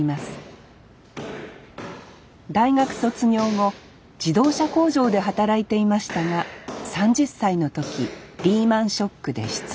大学卒業後自動車工場で働いていましたが３０歳の時リーマンショックで失業。